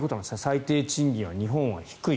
最低賃金は日本は低い。